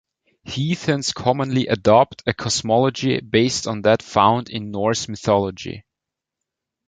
Heathens commonly adopt a cosmology based on that found in Norse mythology.